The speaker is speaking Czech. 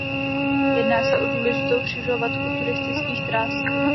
Jedná se o důležitou křižovatku turistických tras.